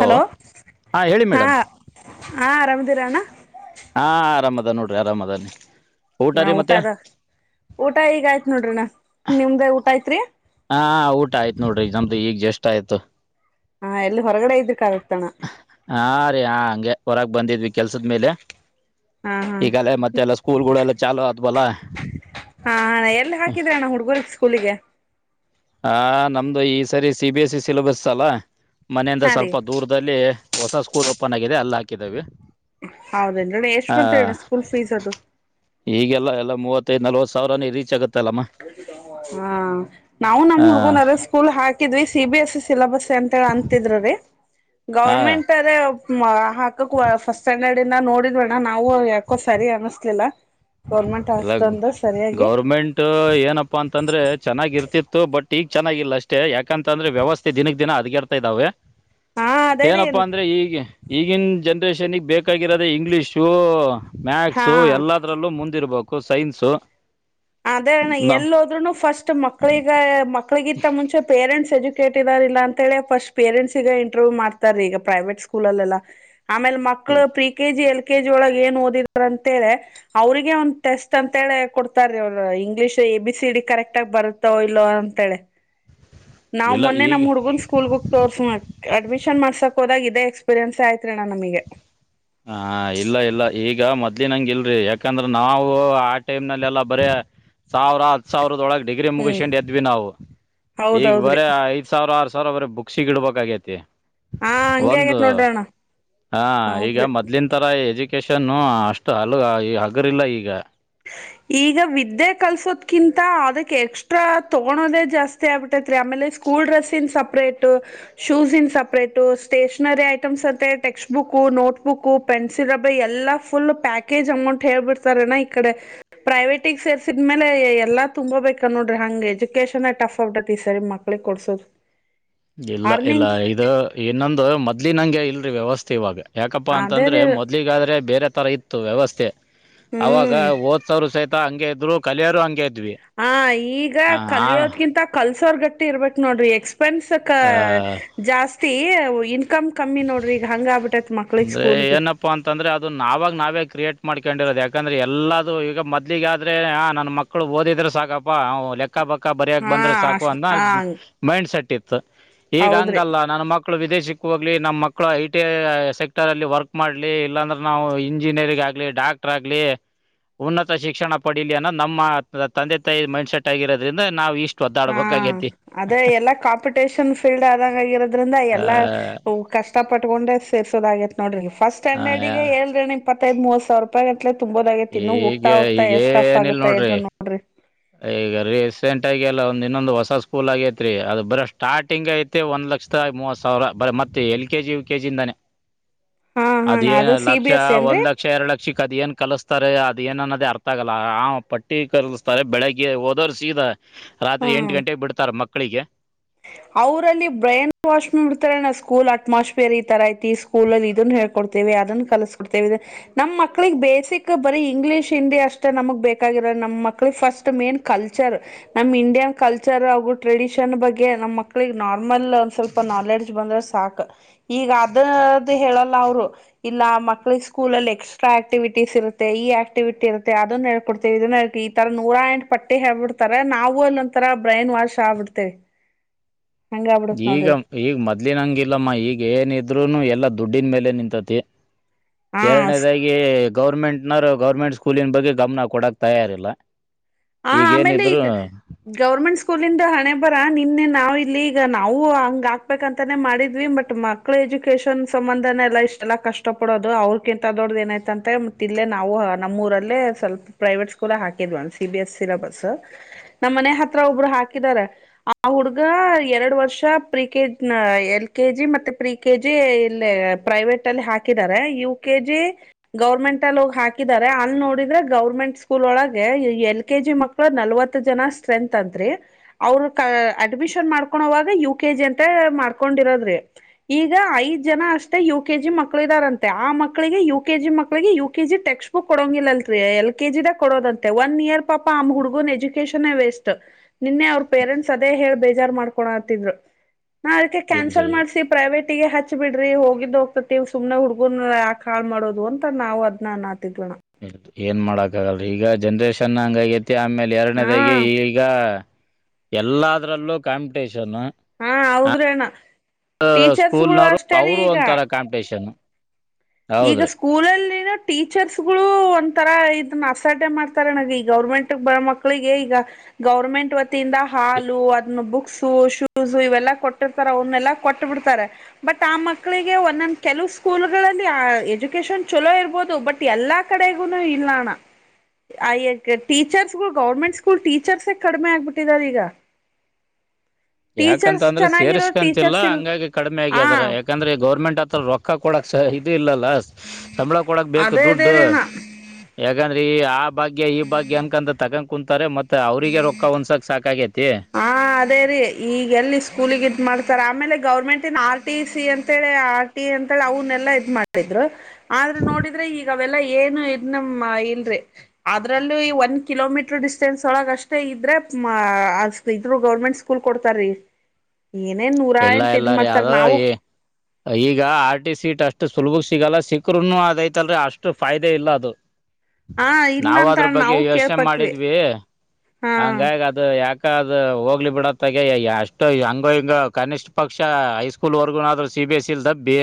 Hello ಹೇಳಿ ಹಾ madam ಹಾ ಆರಾಮ ಸರಿ ಅಣ್ಣ [unintelligible] ಹಾ ಆರಾಮ್ ಅದ ನೋಡ್ರಿ ಆರಾಮ ಅದಾನ [unintelligible] ನಾ ಊಟದ ಊಟ ಈಗ ಆಯ್ತ್ ನೋಡ್ರಿಣ ನಿಮ್ದ ಊಟ ಆಯ್ತ್ರಿ. [unintelligible] ಆ ಊಟ ಆಯ್ತ ನೋಡ್ ನಮ್ದ ಈಗ್ ಜಷ್ಟ್ ಆಯ್ತು. [unintelligible] ಆ ಎಲ್ಲಿ ಹೊರಗಡೆ ಇದ್ರ ಕಾಣತ್ತ ಅಣ್ಣ? [unintelligible] ಯಾ ಹಂಗೆ ಹೊರಗೆ ಬಂದಿದ್ವಿ ಕೆಲ್ಸದ ಮೇಲೆ? [unintelligible] ಹಾ ಹಾ ಈಗಲೇ ಮತ್ತೆಲ್ಲ ಸ್ಕೂಲ್ ಗಳೇಲ್ಲ ಚಾಲೂ ಆದವಲ್ಲ? [unintelligible] ಹಾ ಎಲ್ಲಿ ಹಾಕಿದ್ರಣ ಹುಡ್ಗರ್ ಸ್ಕೂಲಿಗೆ ಹ ನಮ್ದು ಈ ಸರಿ C B S C syllabus ಅಲ್ಲ ಮನೆಯಿಂದ ಹಾ ರೀ ಸ್ವಲ್ಪ ದೂರದಲ್ಲಿ ಹೊಸ ಸ್ಕೂಲ್ ಓಪನ್ ಆಗಿದೆ ಅಲ್ಲ ಹಾಕಿದವಿ ಹೌದೇನ್ರಿ ಎಷ್ಟ್ ಹಾ ಬಂತಣ್ಣ ಸ್ಕೂಲ್ ಫೀಸ್ ಅದು ಈಗೆಲ್ಲ ಎಲ್ಲಾ ಮೂವತ್ತದ ನಲ್ವತ್ತು ಸಾವರ ರೀಚ್ ಆಗುತ್ತ ಹ ನಾವು ನಮ್ ಆ ಹುಡ್ಗನ ಸ್ಕೂಲ್ ಹಾಕಿದ್ವಿ C B S C syllabus ಅಂತ ಅಂತಿದ್ರು ರೀ ಹಾ ಗೌರ್ಮೆಂಟ್ ಅದ ಹಾಕಕ್ ಫಸ್ಟ್ ಸ್ಟ್ಯಾಡರ್ಡ್ ಇಂದ ನೋಡಿದ್ವಣ್ಣ ನಾವು ಯಾಕೋ ಸರಿ ಅನಸ್ಲಿಲ್ಲ ಗೌರ್ಮೆಂಟ್ ಎಲ್ಲ ಹಾಸ್ಪತ್ ಅಂದ ಸರಿಯಾಗಿ ಪ್ಪ ಅಂತಂದ್ರೆ ಚೆನ್ನಾಗಿರ್ತಿತ್ತು ಬಟ್ ಈಗ ಚೆನ್ನಾಗಿಲ್ಲ ಅಷ್ಟೇ ಯಾಕಂತಂದ್ರೆ ವ್ಯವಸ್ಥೆ ದಿನಕ್ಕೆ ದಿನ ಹದಗೆಡ್ತಾ ಇದ್ದಾವೆ ಹಾ ಅದೇರೀ ಏನಪ್ಪಾ ಅಂದ್ರೆ ಈಗ ಈಗಿನ ಜನ ಬೇಕಾಗಿರೋದ ಇಂಗ್ಲಿಷು ಹಾ ಮ್ಯಾಥ್ಸ್ ಎಲ್ಲದರಲ್ಲೂ ಮುಂದೆ ಇರ್ಬೇಕು ಸೈನ್ಸು ಅದೇ ನಾವು ಎಲ್ಲೋದಫಸ್ಟ್ ಮಕ್ಳಿಗ ಮಕ್ಳಿಗಿತ್ತ ಮುಂಚೆ ಪೇರೆಂಟ್ಸ್ ಎಜು ಕೇರಲ್ಲ ಅಂತ ಹೇಳಿ ಫಸ್ಟ್ ಪೇರೆಂಟ್ಸ್ ಈಗ ಇಂಟರ್ವ್ಯ್ ಮಾಡ್ತಾರೀ ಈಗ ಪ್ರೈವೇಟ್ ಸ್ಕೂಲ್ಲ್ ಆಮೇಲೆ ಮಕ್ಳು ಪ್ರಿ ಕೆಜಿ ಎಲ್ಲಿ ಕೆ ಜಿ ಒಳಗೆ ಏನ್ ಓದಿದಾರ ಅಂತ ಹೇಳಿ ಅವ್ರಿಗೆ ಒಂದು ಟೆಸ್ಟ್ ಅಂತೇಳ ಕೊಡ್ ಸ ಅವ English A B C D correct ಆಗ ಬರುತ್ತಾವ ಇಲ್ಲೋ ಅಂತೇಳಿ ನಾವ್ ಇಲ್ಲ ಮೊನ್ನೆ ಈಗ ನಮ್ಮ ಹುಡ್ಗುನ್ ಸ್ಕೂಲ್ಗಕ್ ತೋರ್ಸಣ ಅಡ್ಮಿಷನ್ ಷನ್ ಮಾಡ್ಸಕ್ ಹೋದಾಗ ಇದ ಎಕ್ಸ್ಪೀರಿಯನ್ಸ ಆಯ್ತ್ರಿ ನಮಗೆ ಹ ಇಲ್ಲ ಇಲ್ಲ ಈಗ ಮೊದ್ಲಿನಂಗ ಇಲ್ರಿ ಯಾಕಂದ್ರ ನಾವು ಆ ಟೈಮ್ ನಲ್ಲ ಎಲ್ಲ ಬರ ಸಾವಿರ ಹ್ ಸಾವಿರದೊಳಗೆ ಡಿಗ್ರಿ ಹ್ಮ್ ಮುಗಿಸೊಂಡ್ ಎದ್ವಿ ನಾವು ಈಗ ಬರ ಹೌದೌದ್ರಿ ಐದ್ ಸಾವಿರ ಆರ್ ಸಾವಿರ ಬರ ಬುಕ್ಸಗ ಇಡ್ಬೇಕಾಗೇತಿ ಹಾ ಹಂಗಗೆ ಆಗೇತ್ ನೋಡ್ರೋಣ್ಣ ಹ ಈಗ ಮೊದ್ಲಿನ ತರ ಎಜುಕೇಶನ್ನು ಅಷ್ಟು ಹಲು ಹಗುರಿಲ್ಲ ಈಗ ಹ ಈಗ ವಿದ್ದೆ ಕಲ್ಸೋದ್ಕಿಂತ ಅದಕ್ಕೆ ಎಕ್ಸ್ಟ್ರಾ ತೊಗೋದೇ ಜಾಸ್ತಿ ಆಗ್ಬಿಟ್ಟತ್ ರರಿ ಆಮೇಲೆ ಸ್ಕೂಲ್ ಡ್ರೆಸ್ ಇನ್ ಸಪರೇಟ್ ಶೂಸ ಇನ್ ಸಪರೇಟ ಸ್ಟೇಷನರಿ ಐಟಮ್ಸ್ ಅತ್ತ textbook notebook pencil rubber ಎಲ್ಲಾ ಫುಲ್ ಪ್ಯಾಕೇಜ್ ಅಂಗ್ಡಂಟ್ ಹೇಳ್ಬಿಡ್ತಾರೆಣ ಕಡೆ ಪ್ರೈವೇಟಿಗ್ ಸೇರ್ಸಿದ್ಮೇಲೆ ಎಲ್ಲ ತುಂಬೋಬೇಕ ನೋಡ್ರಿ ಹಂಗ್ ಎಜುಕೇಶನ್ ಟಫ್ ಆಡ ಸರಿ ಮಕ್ಳಿಗೆ ಕೊಡ್ಸೋದು ಇಲ್ಲ ಇಲ್ಲ ಅರ್ನಿಂಗ್ ಇದು ಇನ್ನೊಂದು ಮದ್ಲಿನಂಗೆ ಇಲ್ರಿ ವ್ಯವಸ್ಥೆ ಇವಾಗ ಯಾಕಪ್ಪಾ ಅದೇ ಅಂತಂದ್ರೆ ರೀ ಮೊದ್ಲಿಗಾದ್ರೆ ಬೇರೆ ತರ ಇತ್ತು ವ್ಯವಸ್ಥೆ ಅವಾಗ ಹ್ಮ್ ಓದ್ಸಾವ್ರ ಸಹಿತ ಹಂಗೆ ಇದ್ರು ಕಲಿಯರು ಹಂಗೆ ಇದ್ವಿ ಹ ಈಗ ಆ ಕಲಿಯೋದ್ಕಿಂತ ಕಲ್ಸೋರ್ ಗಟ್ಟಿ ಇರ್ಬೇಕೇ ನೋಡ್ರಿ ಎಕ್ಸ್ ಎಸ್ಪೆನ್ಸ್ ಆ ಜಾಸ್ತಿ ಇನ್ಕಮ್ ಕಮ್ಮಿ ನೋಡ್ರಿ ಈಗ ಹಂಗ ಆಬಿ ಅಂದ್ರೆ ಏನಪ್ಪಾ ಅಂತಂದ್ರೆ ಅದ ನಾವಾಗ ನಾವೇ ಕ್ರಿಯೇಟ್ ಮಾಡ್ಕೊಂಡಿರೋದು ಯಾಕಂದ್ರೆ ಎಲ್ಲದುಈಗ ಮೊದ್ಲಿಗಾದ್ರೆ ನನ್ನ ಮಕ್ಕಳು ಓದಿದ್ರೆ ಸಾಕಪ್ಪ ಲೆಕ್ಕ ಪಕ್ಕ ಪಕ್ಕ ಬರಿಯಕ್ ಹಾ ಬಂದ್ರೆ ಸಾಕು ಅಷ್ ಅಂತ ಆ ಮೈಂಡ್ ಸೆಟ್ ಇತ್ತು ಈಗ ಹೌದ್ರಿ ಹಂಗಲ್ಲ ನಾನ ಮಕ್ಳ ಮಕ್ಕಳ ವಿದೇಶಕ್ಕೆ ಹೋಗ್ಲಿ ನಮ್ಮ ಮಕ್ಕಳು ಐ ಟಿ ಎ ಸೆಕ್ಟರ್ ಅಲ್ಲಿ ವರ್ಕ್ ಮಾಡ್ಲಿ ಇಲ್ಲಾಂದ್ರೆ ನಾವು ಇಂಜಿನಿಯರಿಂಗ್ ಆಗ್ಲಿ ಡಾಕ್ಟರ್ ಆಗ್ಲಿ ಉನ್ನತ ಶಿಕ್ಷಣ ಪಡಿಲಿ ಅನ್ನೋ ನಮ್ಮ ತಂದೆ ತಾಯಿ ಮೈಂಡ್ ಸೆಟ್ ಆಗಿರೋದ್ರಿಂದ ನಾವು ಇಷ್ಟ ಹಾ ಅದ್ರ ಎಲ್ಲಾ ಕಾಂಪಿಟೇಷನ್ ಫೀಲ್ಡ್ ಆದಂಗ ಆಗಿರೋದ್ರಿಂದ ಆ, ಎಲ್ಲಾ ಕಷ್ಟ ಪಟ್ಟಕೊಂಡೆ ಸೇರಿಸೋದ ಆಾಗಿ ನೋಡ್ರ ಫಸ್ಟ್ ಆ, ಸ್ಟ್ಯಾಂಡರ್ಡ್ಗೆ ಏ ಹೇಳರಿ ಇಪ್ಪದು ಮೂವ ಸಾವಿ ರೂಪಾಯಿ ತುಂಬೋದ ಆಗೈತಿನ್ನು ಈಗ ಹೋಗ್ತಾ ಹೋಗ್ಎಷ್ಟ್ ಅಫ್ ಈಗೇನಿಲ್ಲ ಆಗತ್ತೆ ಅದ್ರ ನೋಡ್ರಿ ಈಗ ರೀಸೆಂಟ್ ಆಗಿ ಎಲ್ಲ ಒಂದ್ ಇನ್ನೊಂದು ಹೊಸ ಸ್ಕೂಲ್ ಆಗೇತ್ರಿ ಅದು ಬರ ಸ್ಟಾರ್ಟಿಂಗ್ ಐತಿ ಒಂದ ಒ ಲಕ್ಷದ ಮೂವತ್ ಸಾವಿರ ಬರ ಮತ್ತೆ L K G U K G ಇಂದಾನೇ ಹ ಅದೇನ್ ಲಕ್ಷ ಒಂದ್ ಲಕ್ಷ ಎರಡ್ ಲಕ್ಷಕ್ಕ ಅದ್ ಏನ್ ಕಲಸ್ತಾರೆ ಅದ ಏನನ್ನೋದೇ ಅರ್ಥ ಆಗಲ್ಲ ಆ ಪಟ್ಟಿ ಕಲಿಸ್ತಾರೆ ಬೆಳಗ್ಗೆ ಓದೋ್ರು ಸೀದ ರಾತ್ರಿ ಎಂಟು ಹ್ಮ್. ಗಂಟೆಗೆ ಬಿಡ್ತಾರ ಮಕ್ಕಳಿಗೆ ಅವರಲ್ಲಿ ಬ್ರೈನ್ ವಾಶ್ ನಡ್ತಾರೆ ನಾ ಸ್ಕೂಲ್ ಅಟ್ಮಾಸ್ಫಿಯರ್ ಈ ತರ ಐತಿ ಸ್ಕೂಲ್ ಅಲ್ಲಿ ಇದನ್ನ ಹೇ ಕೊಡ್ತೇವಿ ಅದನ್ನ ಕಲಸ್ಕೊಡ್ತೇವಿ ನಮ್ಮ ಮಕ್ಳಿಗೆ ಬೇಸಿಕ್ ಬರೀ ಇಂಗ್ಲೀಷ್ ಹಿಂದಿ ಅಷ್ಟೇ ನಮಗ್ ಬೇಕಾಗಿ ನಮ್ಮ ಮಕ್ಕಳಿಗೆ ಫಸ್ಟ್ ಮೇನ್ ಕಲ್ಚರ್ ನಮ್ ಇಂಡಿಯನ್ ಕಲ್ಚರ್ ಹಾಗು ಟ್ರೆಡಿಷನ್ ಬಗ್ಗೆ ನಮ್ಮ್ ಮಕ್ಕಳಿಗೆ ನಾರ್ಮಲ್ ಒಂದ ಸ್ವಲ್ಪ ನಾಲೆಡ್ಜ್ ಬಂದ್ರೆ ಸಾಕು ಈಗ ಅದದು ಹೇಳಲ್ಲ ಇಲ್ಲ ಮಕ್ಳಿಗೆ ಸ್ಕೂಲ್ ಅಲ್ಲಿ ಎಕ್ಸ್ಟ್ರಾ ಆಕ್ಟಿವಿಟಿಸ್ ಇರುತ್ತೆ ಈ ಆಕ್ಟಿವಿಟಿ ಇತ್ತೆ ಅದನ್ನ ಹೇೊ ಇದನ್ನ ಈ ತರ ನೂರಾ ಎಂಟ್ ಪಟ್ಟಿ ಹೇಬಿಡ್ತಾರೆ ನಾವು ಇಲ್ಲ ಒ ತರ ಬ್ರೈನ್ ವಾಷ ಆಗ್ಬಿಡ್ತೇವಿ ಹಂಗ ಆಗ್ಬಿಡತ್ ಈಗ ನೋಡ್ರಿ ಈಗ ಮೊದ್ಲಿನಂಗಿಲ್ಲಮ್ಮ ಈಗ ಏನಿದ್ೂನು ಎಲ್ಲ ದುಡ್ಡಿನ ಮೇಲೆ ನಿಂತತಿ ಹ ಎರಡನೇದಾಗಿ ಗೌರ್ಮೆಂಟ್ನ ಗೌರ್ಮೆಂಟ್ ಸ್ಕೂಲಿನ ಬಗ್ಗೆ ಗಮನ ಕೊಡಕ್ ತಯಾರಿಲ್ಲ ಹ ಆಮೇಲೆ ಈಗೇನಿದ್ರು ಈಗ ಗೌರ್ಮೆಂಟ್ ಸ್ಕೂಲಂದ ಹಣೆ ಬರ ನಿನ್ನೆ ನಾವವು ಇಲ್ಲಿ ಈಗ ನಾವು ಹಂಗ ಹಾಕ್ಬೇಕಂತಾನೆ ಮಾಡಿದ್ವಿ ಬಟ್ ಮಕ್ಳ ಎಜುಕೇಶನ್ ಸಂಬಂಧ ಎಲ್ಲ ಇಷ್ಟೆಲ್ಲಾ ಕಷ್ಟ ಪಡೋದು ಅವ್ರಕಿಂತ ದೊಡ್ಡ್ದ ಏನಯತ ಅಂತೆ ಮತ್ತ ಇಲ್ಲೇ ನಾವು ಮೂರಲ್ಲ ಸ್ವಲ್ ಪ್ರೈವೇಟ್ ಸ್ಕೂಲ್ ಹಾಕಿದ್ ಅನ್ಸ ಸಿ ಬಿ ಎಸ್ ಸಿಲಬಸ್ ನಮ್ಮ ಮನೆ ಹತ್ರ ಒಬ್ರು ಹಾಕಿದಿದ್ದಾರೆ ಆ ಹುಡುಗ ಎರಡು ವರ್ಷ ಪ್ರ ಕೆಜಿ ಎಲ್ ಕೆ ಜಿ ಮತ್ತೆ ಪ್ರಿ ಕೆ ಜಿ ಇಲ್ಲಿ ಪ್ರೈವೇಟ್ ಅಲ್ಲಿ ಹಾಕಿದ್ದಾರೆ ಯು ಕೆ ಜಿ ಗವರ್ಮೆಂಟ್ ಅಲ್ಲಿೋಗಿ ಹಾಕಿದ್ದಾರೆ ಅಲ್ಲಿ ನೋಡಿದ್ರೆ ಗೌರ್ಮೆಂಟ್ ಸ್ಕೂಲ್ ಒಳಗೆ ಎಲ್ ಕೆ ಜಿ ಮಕ್ಕಳು ನಲ್ವತ್ತು ಜನ ಸ್ಟ್ರೆಂತ್ ಅಂತ್ರಿ ಅವ್ರ ಅಡ್ಮಿಷನ್ ಮಾಡ್ಕೊಂಡವಾಗ ಯು ಯ ಕೆ ಜಿ ಅಂತ ಮಾಡ್ಕೊಂಡಿರೋದ್ರಿ ಈಗ ಐದ್ ಜನ ಅಷ್ಟೇ ಯು ಕೆ ಜಿ ಮಕ್ಕಳು ಇದಾರಂತೆ ಆ ಮಕ್ಕಳಿಗೆ ಯು ಕೆಜಿ ಮಕ್ಕಳಿಗೆ ಯು ಕೆಜಿ ಟಕ್ಸ್ಟ್ ಬುಕ್ ಕೊಡಂಗಿಲ್ಲಲ್ರಿ ಎಲ್ ಕೆಜಿ ದ ಕೊಡೋದಂತೆ ಒನ್ ಇಯರ್ ಪಾ ಆಮ್ ಹುಡುಗನ್ ಎಜುಕೇಶನ್ ವೇಸ್ಟ್ ನಿನ್ನೆ ಅವ್ರ ಪೇರೆಂಟ್ಸ್ ಅದೇ ಹೇಳ್ಬೇಕು ಕ ಮಾಡೈ ಇಲ್ರಿ ಹ ಬಿ್ರ ಹ ಹೋಗ್ತತಿವ ಸು್ನೆ ಹುಡ್ಗು ಯಾಕ ಹಾಳ್ ಮಾಡೋದು ಅಂತ ನಾವು ಅದ್ ಅತಿದ್ವ ಏನ್ ಮಾಡಕ್ ಆಗಲ್ರಿ ಈಗ ಜನ್ರೇಷನ್ ಹಂಗಾಗಿ ಆಮೇಲೆ ಹಾ ಎರಡನೇದಾಗಿ ಈಗ ಎಲ್ಲದ್ರಲ್ಲೂ ಕಾಂಪಿಟೇಷನ್ ಹಾ ಹೌದ್ರಣ್ಣ ಟೀಚರ್ಸ್ಗಳು ಸ್ಕೂಲ್ನವರು ಅಷ್ಟೇ ರೀ ಅವರು ಈಗ ಒಂಂತರ ಕಾಂಪಿಟೇಷನ್ ಈಗ ಹೌದ್ರಿ ಸ್ಕೂಲಲ್ಲಿನ ಟೀಚರ್ಸ್ಗಳು ಒಂಥರ ಇದನ್ನ ಅಸಾಡೆ ಮಾಡ್ತಾರೆ ನನಗೆ ಈ ಗೌರ್ಮೆಂಟ್ ಬರ ಮಕ್ಳಿಗೆ ಈಗ ಗೌರ್ಮೆಂಟ್ ವತಿಯಿಂದ ಹಾಲು ಅದನ್ನು ಬುಕ್ ಶೂಸ ಇವೆಲ್ಲಾ ಕೊಟ್ಟಿರ್ತಾರೆ ಅವನ್ನೆಲ್ಲ ಕೊಟ್ಟ ಬಿಿಡ್ತಾರೆ ಬಟ್ ಆ ಮಕ್ಕಳಿಗೆ ಒಂದೊಂದ ಕೆಲ ಸ್ಕೂಲ್ಗಳಲ್ಲಿ ಎಜುಕೇಶನ್ ಚಲೋ ಇರ್ಬೋದು ಬಟ್ ಎಲ್ಲಾ ಕಡೆಗು ಇಲ್ಲಣ ಆಯ್ಯಕ ಟೀಚರ್ಸ್ ಗಳು ಗೌರ್ಮೆಂಟ್ ಸ್ಕೂಲ್ ಟೀಚರ್ಸ ಕಡಿಮೆ ಆಗ್ಬಿಟ್ಟಿದಾರ ಈಗ [unintelligible] ಯಾಕಂತ ಟೀಚರ್ಸ್ ಅಂದ್ರೆ ಚೆನ್ನಾಗಿರೋ ಸೇರ್ಸ್ಕಂತಿಲ್ಲ ಟೀಚರ್ಸ್ ಇಲ್ ಹಂಗಾಗಿ ಕಡಿಮೆ ಹ ಆಗಿದ ಯಾಕಂದ್ರೆ ಗೌರ್ಮೆಂಟ್ ಆತ್ರ ರೊಕ್ ರೊಕ್ಕ ಕೊಡಕ್ ಇ ಇಲ್ಲಲ್ಲ ಸಂಬಳ ಕೊಡಕ್ ಬೇಕು ಅದೇ ದುಡ್ಡು ಅದೇರೇನಾ ಆ ಭಾಗ್ಯ ಈ ಭಾಗ್ಯ ಅನ್ಕಂತ ತಗೊಂಡ್ ಕುಂತಾರೆ ಮತ್ತೆ ಅವ್ರರಿಗೆ ರೊಕ್ಕ ಒಂದ್ಸಕ್ ಸಾಕಾಗಿತಿ ಹಾ ಅದೇ ರೀ ಈಗ ಎಲ್ಲಿ ಸ್ಕೂಲಿಗೆ ಇದ ಮಾಡ್ತಾರೆ ಆಮೇಲೆ ಗೌರ್ಮೆಂಟ್ ಇನ್ ಆರ್ ಟಿ ಸಿ ಅಂತ ಹೇಳಿ ಆರ್ ಟಿ ಅಂತಿ ಅವ ಮಾಡಿದ್ರು ಆದ್ರೆ ನೋಡಿದ್ರೆ ಈಗ ಈಗ ಅವೆಲ್ಲ ಏನು ಇ ನಮ ಇಲ್ರಿ ಅದ್ರಲ್ಲೂ ಒಂದ ಕಿಲೋಮೀಟರ್ ಡಿಸ್ಟೆನ್ಸ್ ಒಳಗ ಅಷ್ಟೇ ಇದ್ರೆ ಇದ್ರು ಗೌರ್ಮೆಂಟ್ ಸ್ಕೂಲ್ ಕೊಡ್ತಾರೀ ಏನೇನ್ ನೂರ ಎಲ್ಲ ಎಂಟ ಇದ್ ಎಲ್ಲಾರೀ ಅ ಮಾಡ್ತಾರ ನಾವು ಈಗ ಆರ್ ಟಿ ಸಿ ಟಸ್ಟ್ ಷ್ಟ ಸುಲಭ ಸಿಗಲ್ಲ ಸಿಕ್ಕ್ರರುನು ಅದೈತಲ್ರರಿ ಅಷ್ಟು ಫಾಯದೆ ಇಲ್ಲ ಅದು ಹಾ ಇಲ್ಲ ನಾವವು ಅಂತ ಅದ್ರ ಬಗ್ಗೆ ನಾವು ಯೋಚನೆ ಕೇಳ್ಪಟ್ವಿ ಮಾಡಿದ್ವಿ ಹಾ ಹಂಗಾಗಿ ಅದು ಯಾಕ ಅದು ಹೋಗ್ಲಿ ಬಿಡತ್ತಾಗ ಎಷ್ಟು ಹಂಗ ಹಿಂಗ ಕನಿಷ್ಠ ಪಕ್ಷ ಹೈಸ್ಕೂಲ್ ವರ್ಗೂನಾದ್ರೂ ಸಿ ಬಿ ಎಸ್ ಇಲ್ ದಬ್ಬಿ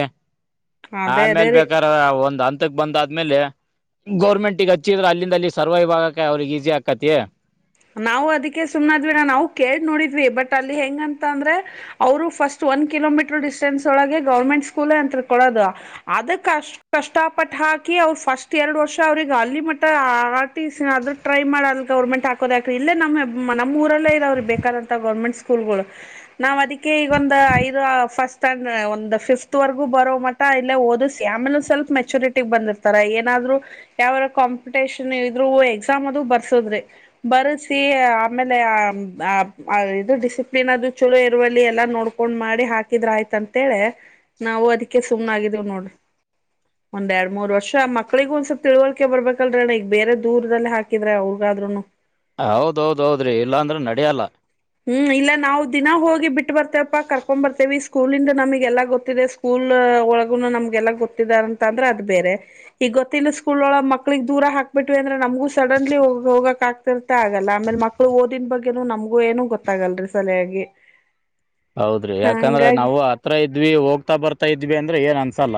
ಅದೇ ಅದೇ ಆಮೇಲೆ ರೀ ಬೇಕಾರ ಒಂದ್ ಹಂತಕ್ ಬಂದ ಆದ್ಮೇಲೆ ಗೌರ್ಮೆಂಟ್ಗ ಹಚ್ಚಿದ್ರೆ ಅಲ್ಲಿಂದ ಅಲ್ಲಿ ಸರ್ವೈ್ ಆಗಕ ಅವ್ರಿಗೆ ಈಸಿ ಆಕತಿ ನಾವು ಅದಕ್ಕೆ ಸುಮ್ನದ್ವಿಿನ ನಾವು ಕೇಳ ನೋಡಿದ್ವಿ ಬಟ್ ಅಲ್ಲಿ ಹೆಂಗಂತ ಅಂದ್ರೆ ಅವ್ರು ಫಸ್ಟ್ ಒನ್ ಕಿಲೋಮೀಟರ್ ಡಿಸ್ಟೆನ್ಸ್ ಒಳಗೆ ಗೌರ್ಮೆಂಟ್ ಸ್ಕೂಲ್ ಅಂತ ಕೊಡದು ಅದ ಕಷ್ಟಪಟ್ಟ ಹಾಕಿ ಹಾಕಿ ಅವ್ ಫಸ್ಟ್ ಎರಡ್ ವರ್ಷ ಅವ್ರಿಗೆ ಅಲ್ಲಿ ಮಟ್ಟ ಆರ್ಟ ಆದ್ರ ಟ್ರೈ ಮಾಡಲ್ ಗೌರ್ೆಟ್ ಇಲ್ಲ ನ ನಮ್ಮ ಊರಲ್ಲೇ ಇದ ಅವ್ರರು ಬೇಕಾದಂತ ಗೌರ್ಮೆಂಟ್ ಸ್ಕೂಲ್ ಗಳು ನಾವ್ ಅದಕ್ಕೆ ಈಗೊ ಒಂದ್ ಐದು ಫಸ್ಟ್ ಸ್ಟಂಡ ಒಂದು ಫಿಫ್ತ್ ವರೆಗೂ ಬರೋ ಮಠ ಇಲ್ಲ ಓದ ಆಮೇಲೆ ಸ್ವಲ್ಪ್ ಮೆಚ್ಯೂರಿಟಿ ಬಂದಿರ್ತಾರ ಏನಾದ್ರು ಯಾವಾರ ಕಾಂಪಿಟೇಷನ್ ಇದ್ರು ಎಕ್ಸಾಮ್ ಅದು ಬರ್ಸೋದ್ರಿ ಬರಿಸಿ ಆಮೇಲೆ ಇದು ಡಿಸಿಪ್ಲಿನ್ ಅದು ಚಲೋ ಇರುವಲ್ಲಿ ಎಲ್ಲಾ ನೋಡ್ಕೊಂಡ ಕೊಂಡ್ ಮಾಡಿ ಹಾಕಿದ್ರ ಆಯ್ತ ಅಂತೇಳೆ ನಾವು ಅದಕ್ಕೆ ಸುಮ್ನೆ ಆಗಿದೀವ್ ನೋಡ್ರ ಒಂದ್ ಎರಡ್ ಮೂರ್ ವರ್ಷ ಆ ಮಕ್ಳಿಗ ಒಂದ್ ಸ್ವಲ್ ತಿಳುವಳಿಕೆ ಬರ್ಬೇಕಲ್ರಣ್ಣ ಈಗ ಬೇರೆ ದೂರದಲ್ಲಿ ಹಾಕಿದ್ರೆ ಅವ ಆದ್ರನು ಹೌದೌದೌದ್ರಿ ಇಲ್ಲಾಂದ್ರೆ ನಡ್ಯಲ್ಲ ನಾವು ದಿನ ಹೋಗಿ ಬಿಟ್ಟ ಬರ್ತೇವಪ್ಪ ಕರ್ಕೊಂಡ್ ಬರ್ತೇವಿ ಸ್ಕೂಲ್ಂದ ನಮಗೆ ಎಲ್ಲಾ ಗೊತ್ತಿದೆ ಸ್ಕೂಲ್ ಒಗ ನಮ್ಗೆಲ್ಲ ಗೊತ್ತಾರ ಅಂತ ಅ್ರ ಅದ ಬೇರೆ ಈಗ ಗೊತ್ತಿನ ಸ್ಕೂಲ್ ಒಳ ಮಕ್ಳಿಗ್ ದೂರ ಹಾಕ್ಬ ಬಿಟ್ವಿ ಅಂದ್ರೆ ನಮ ಹೂ ಸಡನ್ಲಿ ಹೋಗ ಹೋಗಾ ಆಕ ರ್ತ ಆಗಲ್ಲ ಆಮೇಲೆ ಮಕ್ಕಳು ಓದಿದನ್ ಬಗ್ಗೆನನು ನಮ್ಗೂ ಏನ ಗೊತ್ತಾಗಲ್ರಿ ಸಲಯಾಗಿ ಹೌದ್ರಿ ಯಾಕಂದ್ರ ನಾವು ಹತ್ರ ಇದ್ವಿ ಹೋಗ್ತಾ ಬರ್ತಾ ಇದ್ವಿ ಅಂದ್ರ ಏನ್ ಅನ್ಸಲ್ಲ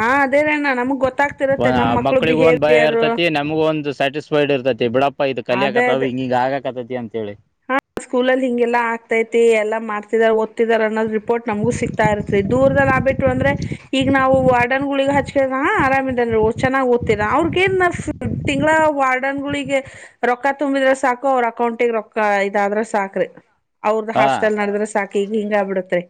ಹಾ ಅದೇನಣ್ಣ ನಮಗ್ ಗೊತ್ತಾಗ್ತಿರತ್ತೆ ನಮ್ ಮಕ್ಳು ಮಕ್ಕಳಿಗೂ ಒಂದ್ ಭಯ ಬಿಹೇವಿಯರ್ ಇರ್ತತಿ ನಮಗೂ ಒಂದು ಸ್ಯಾಟಿಸ್ಫೈಡ್ರ್ತದೆ ಬಟ್ ಅದೇ ಅದ ಅಂತೇಳಿ ಹ ಸ್ಕೂಲಲ್ಲಿ ಹಿಗೆಲ್ಲಾ ಆಗ್ತೈತಿ ಎಲ್ಲ ಮಾಡ್ತಿದ ದತಿದಿದ್ದಾರೆ ಅನ್ನೋದು ರಿಪೋರ್ಟ್ ನಮಗೂ ಸಿಗ್ತಾ ಇರ್ತ್ರಿ ದೂರದಲ್ಲಿ ಆಗ್ಬಿಟ್ು ಅಂದ್ರೆ ಈಗ ನಾವು ವಾರ್ಡರ್ ಗ್ ಹಚ್ಕ ಆರಾಮನ್ ಚನ್ನಾಗ್ ಓ್ೀರಾ ಅವ್ರಿಗ ನ್ ತಿಂಗಳ ವಾರ್ಡನ್ ಗಳಿಗೆ ರೊಕ್ಕ ತುಂಬಿದ್ರೆ ಸಾಕು ಅವ್ರ ಅಕೌಂಟಗ ರೊಕ್ಕ ಇದಾದ್ರ ಸಾಕ್ರಿ ಅವ್ರದ ಹಾ ಹಾಸ್ಟೆಲ್ ನಡದ್ರ ಸಾಕ್ರಿ ಈಗ ಹಿಂಗ ಆಗ್ಬಿಡತ್ತೆ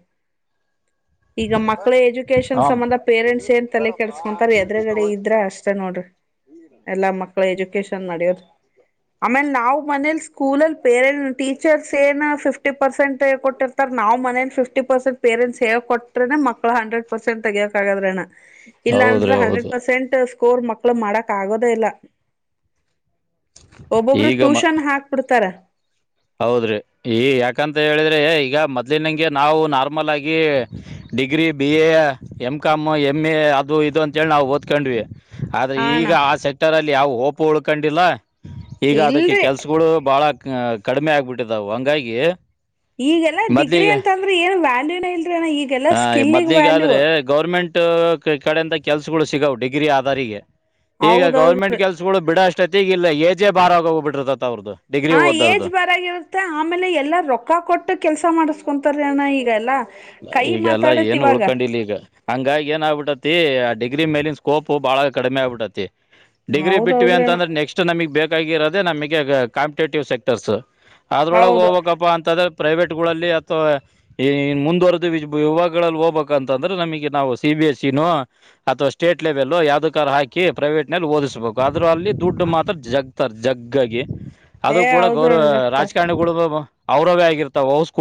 ಈಗ ಮಕ್ಳ ಎಜುಕೇಶನ್ ಹಂ ಸಂಬಂಧ ಪೇರೆಂಟ್ಸ್ ಏನ್ ತಲೆ ಕೆಡ್ಸ್ಕೊಂತಾರ ಎದ್ರಗಡೆ ಇದ್ರ ಅಷ್ಟ ನೋಡ್ರಿ ಎಲ್ಲಾ ಮಕ್ಕಳ ಎಜುಕೇಶನ್ ಮಾಡುವ ರಿ ಆಮೇ ನಾವ್ ಮನೇಲಿ ಸ್ಕೂಲಲ್ಲಿ ಪೇರೆಂಟ್ ಟೀಚರ್ಸ್ ಏನ್ ಫಿಫ್ಟಿ ಪರ್ಸೆಂಟ್ ಕೊಟ್ಟಿರ್ತಾರ ನಾವ್ ಮೇ ಫಿಫ್ಟಿ ಪರ್ಸೆಂ ಪೇರೆಂಟ್ಸ್ ಹೇಳ್ ಕೊಟ್ಟ್ರನೆಕ್ಳ ಹಂಡ್ರೆಡ್ ಪರ್ಸೆಟ್ ತಗೋಬೇಕಾಗಾದ್ರಣ ಇಲ್ಲ ಹೌದ್ರಿ ಅಂದ್ರೆ ಹಂಡ್ರೆಡ್ ಹೌದು ಪರ್ಸೆಂಟ್ ಸ್ಕೋರ್ ಮಕ್ಳು ಮಾಡಕ್ ಆಗೋದ ಇಲ್ಲ ಒಬ್ಬೊಬ್ರು ಈಗ ಮ ಟ್ಯೂಷನ್ ಹಾಕ್ಬಿಡ್ತಾರ ಹೌದ್ರಿ ಈ ಯಾಕಂತ ಹೇಳಿದ್ರೆ ಈಗ ಮೊದ್ಲಿನಂಗೆ ನಾವು ನಾರ್ಮಲ್ ಆಗಿ degree B A M com M A ಅದು ಇದು ಅಂಂತೇಳಿ ನಾವು ಓದ್ಕೊಂಡ್ವಿ ಆದ್ರೆ ಹ ಅಣ್ಣ ಈಗ ಆ ಸೆಕ್ಟರ್ ಅಲ್ಲಿ ಯಾವ ಓಪು ಉಳ್ಕೊಂಡಿಲ್ಲ ಈಗ ಅದಕ್ಕೆ ಇಲ್ರಿ ಕೆಲ್ಸಗಳು ಬಾಳಹ ಕಡಿಮೆ ಆಗ್ಬಿಟ್ಟಿದವು ಹಂಗಾಗಿ ಈಗೆಲ್ಲ ಡಿಗ್ರಿ ಮೊದ್ಲಿಗೆ ಅಂತಂದ್ರೆ ಏನ್ ವ್ಯಾಲ್ಯೂನ ಇಲ್ರಿನ ಈಗೆಲ್ಲ ಸ್ಕಿಲ್ಗ್ ವ್ಯಾಲ್ಯೂ ಕಡೆಂತ ಕೆಲ್ಸಗಳು ಸಿಗಾವ ಡಿಗ್ರಿ ಆಧಾರಿಗೆ ಈಗ ಹೌದೌದು ಗೌರ್ಮೆಂಟ್ ಕೆಲ್ಸಗಳು ಬಿಡ ಅಷ್ಟು ಅಷ್ಟೊತಿಗಿಲ್ಲಲ್ಲ ಎಜೆ ಬಾರ ಆ ಹೋಗಬ ಬಿರತತ್ತ ಅವ್ರದದು ಹಾ ಏಜ್ ಬರಾಗಿರೋದು ಮತ್ತ ಆಮೇಲೆ ಎಲ್ಲಾ ರೊಕ್ಕ ಕೊಟ್ಟು ಕೆಲ್ಸ ಮಾಡಸ್ಕೊಂತಾರಣ ಈಗಲ್ಲಾ ಈಗೆಲ್ಲ ಏನ್ ಉಳ್ಕೊಂಡಿಿಲ್ಲ ಈಗ ಹಂಗಾಗಿ ಏನ್ ಆಗ್ಬಿಟ್ಟತಿ ಅದೀಗ ಗ್ರಿ ಮೇಲಿನ ಸ್ಕೋಪ್ು ಬಹಳ ಕಡಿಮೆ ಆಗ್ಬಿಟ್ಟೈತಿ ಡಿಗ್ರಿ ಬಿಟ್ಟವಿ ಹೌದೌದ್ರಣ ಅಂತಂದ್ರೆ ನೆಕ್ಸ್ಟ್ ನಮಗ್ ಬೇಕಾಗಿರೋ ನಮಗೆ ಕಾಂಪಿಟೇಟಿವ್ ಸೆಕ್ಟರ್ಸ್ ಅದ್ರೊಳಗೆ ಹೌದು ಹೋಗ್ಬೇಕಪ್ಪಾ ಅಂತಂದ್ರೆ ಪ್ರೈವೇಟ್ಗಳಲ್ಲಿ ಅಥವಾ ಮುಂದ ಯುವಾಗಗಳಲ್ಲಿ ಹೋಗ್ಬೇಕ ಅಂತಂದ್ರೆ ನಮಗೆ ನಾವು ಸಿ ಬಿ ಎಸ್ ಇ ನ ಅಥವಾ ಸ್ಟೇಟ್ ಲೆವೆಲ್ ಯಾವ್ದ ಕ ಹಾಕಿ ಪ್ರೈವೇಟ್ ನಲ್ಲಿ ಓದಿಸ್ಬೇಕು ಅ್ರೂ ಅಲ್ಲಿ ದುಡ್ ಮಾತ್ರ ಜಗ್ತರ್ ಜಗ್ಗಗ ಅದು ಏ ಕೂಡ ಹೌದ್ರಣ ಗೌರವ ಜಗ್ತ ರಾಜಕಾರಣಿಗಳು ಅವರವೇ ಆಗಿರ್ತಾವಸ್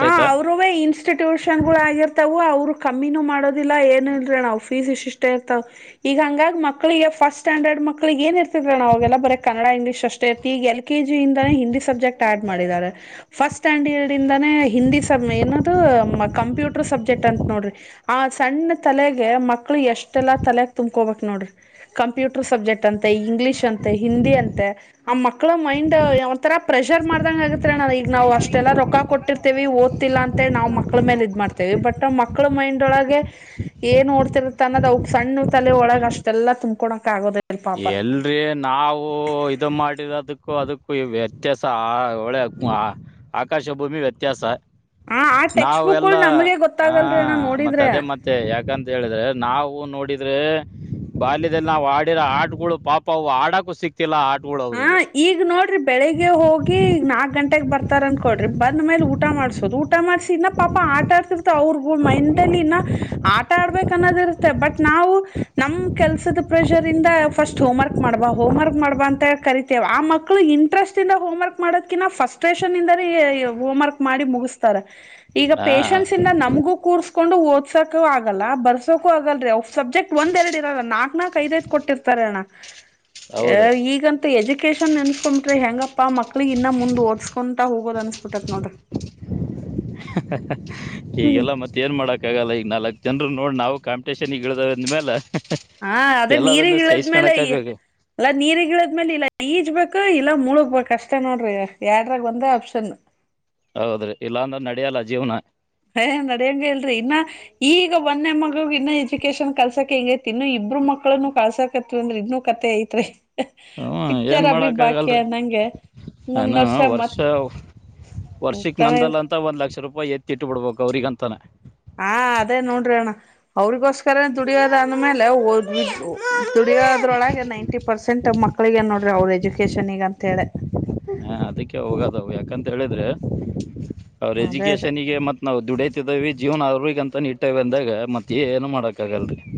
ಹ ಅವ್ರೇ ಇನ್ಸ್ಟಿಟ್ಯೂಷನ್ ಗಳು ಆಗಿರ್ತವು ಅವ್ರು ಕಮ್ಮಿನೂ ಮಾಡೋದಿಲ್ಲ ಏನು ಇಲ್ರರಿ ನಾವವು್ ಫೀಸ್ ಇಷ್ಟ ಇಷ್ಟೇ ಇರ್ತಾವ ಈಗ ಹಂಗ ಮಕ್ಳಿಗೆ ಫಸ್ಟ್ ಸ್ಟ್ಯಾಂಡರ್ಡ್ ಮಕ್ಳಿಗೆ ಏನ್ ಇರ್ತರ ನ ಅವೆಲ್ಲ ಬರ ಕನ್ನಡ ಇಂಗ್ಲಷ್ಷ್ಟೇ ಇರ್ತಿ ಈ ಎ ಕೆ ಜಿಿಂದೇ ಹಿಂದಿ ಸಬ್ಜೆಕ್ಟ್ ಆಡ್ ಮಾಡಿದ್ದಾರೆ ಫಸ್ಟ್ ಸ್ಟ್ಯಾಂಡರ್ಡ್ ಇಂದ ಹಿಂದಿ ಸ ಏನದು ಕಂಪ್ಯೂಟರ್ ಸಬ್ಜೆಕ್ಟ್ ಅಂತ ನೋಡ್ರಿ ಆ ಸಣ್ಣ ತಲೆಗೆ ಮಕ್ ಮಕ್ಕಳ ಎಷ್ಟೆಲ್ಲ ತಲೆ ತಂಬಕೋಬೇಕು. ನೋಡ್ರಿ ಕಂಪ್ಯೂಟರ್ ಸಬ್ಜೆಕ್ಟ್ ಅಂತೆ ಇಂಗ್ಲಿಷ್ ಅಂತೆ ಹಿಂದಿ ಅಂತೆ ಆ ಮಕ್ಕಳ ಮೈಂಡ್. ಒಂ ತರ ಪ್ರೆಷರ್ ಮಾಡ್ದಂಗ ಆಗತ್ ನ ಈಗ ನಾವು ಅಷ್ಟೆಲ್ಲ ರೊಕ್ಕ ಕೊಟ್ಟ. ಇಟ್ಟಿರ್ತೀವೆ ಓದ್ತಿಲ್ಲ ಅಂತ ನಾವು ಮಕ್ಳ ಮೇಲೆ ಇದ ಮಾಡ್ತೇವಿ ಬಟ್ ಮಕ್ಕಳ ಮೈಂಡ್ಳಗೆ ಏನ್ಹೋಡ್ತ್. ತನ್ನದ ಸಣ್ಣ ತಲೆ ಒಳಗ ಅಷ್ಟೆಲ್ಲ ತುಂಬ್ಕೊಳಕ್ ಆಗೋದ. ಎಲ್ರಿ ನಾವು ಇ ಮಾಡಿರೋದಕ್ಕೂ ಅದಕ್ಕೂ. ವ್ಯತ್ಯಾಸ ಆ ಒಳೆ ಆಕಾಶ ಭೂಮಿ ವ್ಯತ್ಯಾಸ. ಹಾ. ನಾವೆಲ್ಲ ಆ ಮತ್ತ ನೋಡಿದ್ರೆ ಅದೇ ಮತ್ತೆ ಯಾಕಂತ ಹೇಳಿದ್ರೆ ನಾವು ನೋಡಿದ್ರೆ. ಬಾಲ್ಯದಲ್ಲಿ ನಾವು ಆಡಿರೋ ಆಡುಗಳು ಪಾಪವು ಆಡಕು ಸಿಕ್ತ. ಹ ಈಗ ನೋಡ್ರಿ ಬೆಳಿಗ್ಗೆ ಹೋಗಿ ಈ ನಾಕ್ ಗಂಟೆಗ್ ಬರ್ತ. ಆ ತರ ಅಂದಕ ಕೊಡ್ರಿ ಬಂದ್ ಮೇಲೆ ಊಟ ಮಾಡಸೋದು ಊಟ ಮಾಡಸ ಇನ್ನ ಪಾಪ ಆಟ ಆಡ್ತಿರ್ತ ಅವ್ರರು ಮೈಂಡಲ್ಲಿ ಇನ. ಆಟ ಆಡ್ಬೇಕ ಅನ್ನೋದ ಇರುತ್ತೆ ಬಟ್ ನಾವು ನಮ ಕೆಲ್ಸದ ಪ್ರೆಷರ್ ಇಂದ ಫಸ್ಟ್ ಹೋ. ಕ್ ಮಾಡ್ಬಾ ಹೋಮ್ ವರ್ಕ್ ಮಾಡ್ಬ ಅಂತ. ಕರಿತೇವೆ ಆ ಮಕ್ಕಳು ಇಂಟ್ರೆಸ್ಟ್ ಇಂದ ಹೋಮ ವರ್ಕ್ ಮಾಡೋದಕಿಂತ ಫಸ್ಟೇಷನ್ ಇಂದ ಹೋಮ್ ವರ್ಕ್ ಮಾಡಿ ಮುಗ. ಉಸ್ತರ. ಈಗ ಹಾ ಪೇೇಶನ್ಸ್ ಇಂದ ನಮಗೂ ಕೂರ್ಸ್ಕೊಂಡು ಓದ್ಸಕು ಆಗಲ್ಲ ಬರ್ಸೋಕು ಆಗಲ್ರಿ. ಸಬ್ಜೆಕ್ಟ್ ಒಂದ ಎರಡ್ ಇರಲ್ಲ ನಾಕ್ ನಾಕ್ ದ ಐ್ ಕೊಟ್ಟರ್ತಾರೆ ಅಣ. ಅ ಹೌದ್ರಿ ಈಗಂತ ಎಜುಕೇಶನ್ ಎನ್ಸ್ಕೊಬಿಟ್ರೆ ಹೆಂಗಪ್ಪಾ ಮಕ್ಕಳ. ಅಲ್ಲಿಗ್ ಇನ್ನ ಮುಂದ್ ಓದ್ಸ್ಕೊಂತಾ ಹೋಗೋದ ಅನ್ಸ್ಬಿಟ್ಟೈತ್ ನೋಡ್ರಿ. ಹೀಗೆಲ್ಲ ಮತ್ತೆ ಏನ್ ಮಾಡಕ್ಕ ಆಗಲ್ಲ ಈ. ನಾಲ್ಕ್ ಜನರು ನೋಡ್ ನಾವು ಕಾಂಪಟಷನ್ಗ ಇಳಿದ ಅಂದ್ಮೇಲೆ. ಹಾ ಅದೇ ಎಲ್ಲದನ್ನ ನೀರಿಗಿಳದ್ಮೇಲೆ ಸಹಿಸ್ಕೊಳಕಾಗ್ಬೇಕು ಅಲ್ಲಾ ನೀರ್ಗಿಳದ್್ಮೇಲೆ ಇಲ್ಲ ಈಜ ಬ. ಇಲ್ಲ ಮೂಳಕ್ ಕಷ್ಟ ನೋಡ್ರಿ ಎರಡ್ರಾಗ ಒಂದೇ ಆಪ್ಷನ್. ಹೌದ್ರಿ ಇಲ್ಲಾ ಅಂದ್ರ ನಡಿಯಲ್ಲ ಜೀವ್ನ. ಏ ನಡಂಗ ಹೇಳಲ್ರಿ ಇನ್ನ ಈಗ ಒಂದೆ ಮಗ ಇನ್ನ ಎಜುಕೇಶನ್ ಕಲ್ಸಕ ಹೆಂಗೇ ತಿನ್ನು ಇ. ಇಬ್ಬ್ರ ಮಕ್ಳನ್ನು ಕಳ್ಸಾಕತ್ ಅಂದ್ರ ಇನ್ನುೂ ಕತೆ ಐತ್ರಿ. ಹ್ಮ್ ಏನ್ ಪಿಕ್ಚರ್ ಬಿಿ ಬಾಕಿಯ ಮಾಡಕ್ಕಾಗಲ್ರಿ ನಂಗೆ ಮುಂದ ವರ್ಷ ಮತ್. ವರ್ಷಕ್ ಹೋಗ್ತಾನೆ ಇರ್ ನಂದಲ್ಲ ಅಂತ ಒಂದ್ ಲಕ್ಷ ರೂಪಾಯಿ ಎತ್ತಿಟ್ಟು ಬಿಡ್ಬೇಕು ಅವ್ರಿಗ ಅಂತಾನ. ಹಾ ಅದೇ ನೋಡ್ರಿ ಅಣ್ಣ ಅವರಿಿಗೋಸ್ಕರ ದುಡಿಯೋದ ಅಂದ್ಮೇಲೆ. ದುಡಿಯೋದ್ರೊಳಗೆ ನೈಂಟಿ ಪರ್ಸೆಂಟ್ ಮಕ್ಳಿಗೆ ನ್ ನೋಡ್ರಿ ಅವ್ರ ಎಜುಕೇಶನ್ಗ ಅಂತ ಹೇಳೆ. ಹಾ ಅದಕ್ಕೆ ಹೋಗದ ಯಾಕಂತ ಹೇಳಿದ್ರೆ. ಅವ್ರ ಅದೇ ಅದೇ ಎಜುಕೇೇಶನ್ ಗೆ ಮತ್ ನವು ದುಡೈತ ಇದೇವಿ ಜೀವನ ಆರೋಗ್ಯ ಅಂತ ನೀ. ಬಟ್ಟ ಬಂದಾಗ ಮತ್ತ ಏನು ಮಾಡಕ್ಕ ಆಗಲ್ರರಿ.